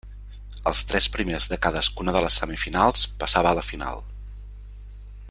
Els tres primers de cadascuna de les semifinals passava a la final.